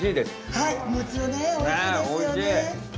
はいムツねおいしいですよね。